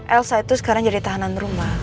elsa itu sekarang jadi tahanan rumah